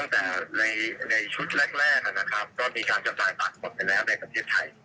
นั่งแต่ในชุดแรกนะครับก็มีการจับรายบัตรหมดไปแล้วในประเทศไทย